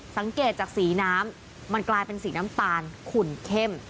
สังเกตจากสีน้ำมันกลายเป็นสีน้ำตาลขุ่นเข้ม